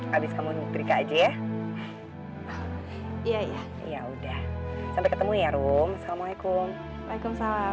habis kamu nyuruh aja ya iya ya udah sampai ketemu ya room assalamualaikum waalaikumsalam